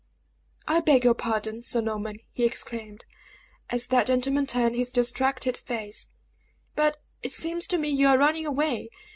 "I beg your pardon, Sir Norman," he exclaimed, as that gentleman turned his distracted face; "but, it seems to me, you are running away.